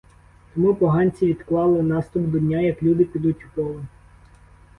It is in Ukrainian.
Тому поганці відклали наступ до дня, як люди підуть у поле.